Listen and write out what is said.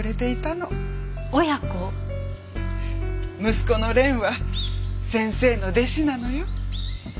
息子の連は先生の弟子なのよ。